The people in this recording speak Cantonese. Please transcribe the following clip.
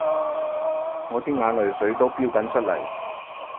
我啲眼淚水都標緊出嚟